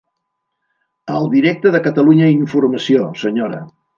Al directe de Catalunya Informació, senyora.